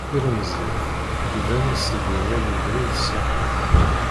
Tilemẓit iban-as-d iḍul ubrid s axxam.